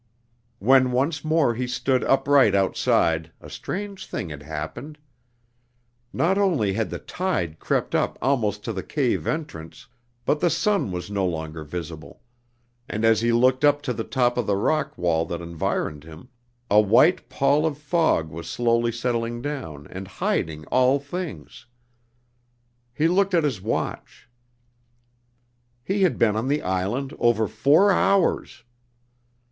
When once more he stood upright outside a strange thing had happened. Not only had the tide crept up almost to the cave entrance, but the sun was no longer visible, and as he looked up to the top of the rock wall that environed him, a white pall of fog was slowly settling down and hiding all things. He looked at his watch. He had been on the island over four hours!